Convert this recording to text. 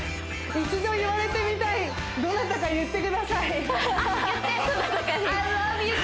一度言われてみたいどなたか言ってくださいあっ！